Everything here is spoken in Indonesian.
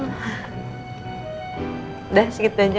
udah segitu aja